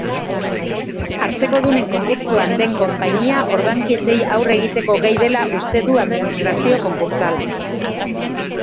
Hartzekodunen konkurtsoan den konpainia ordainketei aurre egiteko gai dela uste du administrazio konkurtsalak.